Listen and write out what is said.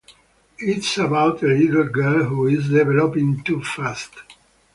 It's about a little girl who is developing too fast.